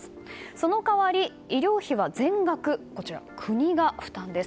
その代わり医療費は全額国が負担です。